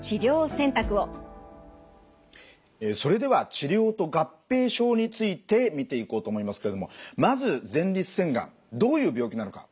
それでは治療と合併症について見ていこうと思いますけれどもまず前立腺がんどういう病気なのかおさらいをしましょう。